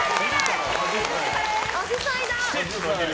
アジサイだ！